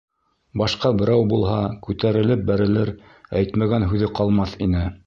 Башҡа берәү булһа, күтәрелеп-бәрелер, әйтмәгән һүҙе ҡалмаҫ ине.